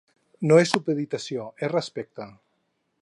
No és supeditació, és respecte.